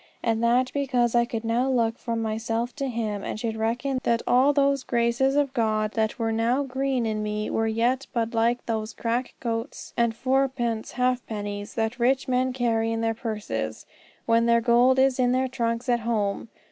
And that because I could now look from myself to Him and should reckon that all those graces of God that were now green in me were yet but like those crack groats and four pence halfpennies that rich men carry in their purses when their gold is in their trunks at home!